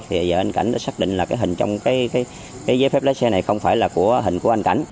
thì giờ anh cảnh đã xác định là cái hình trong cái giấy phép lái xe này không phải là của hình của anh cảnh